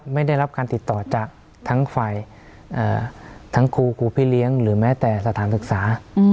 ไม่ได้รับการติดต่อจากทั้งฝ่ายทั้งครูครูพี่เลี้ยงหรือแม้แต่สถานศึกษา